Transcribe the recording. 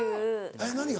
えっ何が？